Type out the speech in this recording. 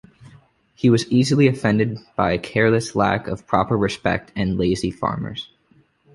He was easily offended by careless lack of proper respect and lazy farmers.